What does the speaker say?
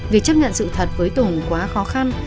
việc chấp nhận sự thật với tùng quá khó khăn